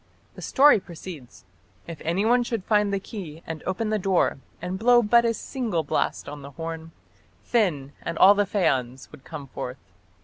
The story proceeds: "If anyone should find the key and open the door, and blow but a single blast on the horn, Finn and all the Feans would come forth.